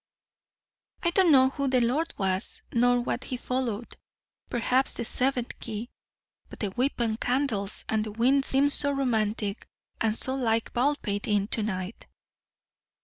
I don't know who the lord was, nor what he followed perhaps the seventh key. But the weeping candles and the wind seem so romantic and so like Baldpate Inn to night."